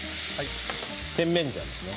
甜麺醤ですね。